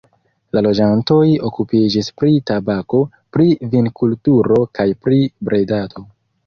La loĝantoj okupiĝis pri tabako, pri vinkulturo kaj pri bredado.